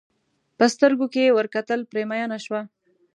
په سترګو کې یې ور کتل پرې مینه شوه.